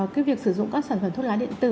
cái việc sử dụng các sản phẩm thuốc lá điện tử